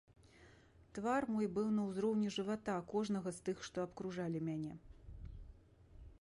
Твар мой быў на ўзроўні жывата кожнага з тых, што абкружалі мяне.